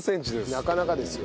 なかなかですよ。